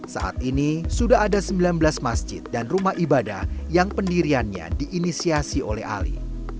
saat ini sudah ada sembilan belas masjid dan rumah ibadah yang pendiriannya diinisiasi oleh ali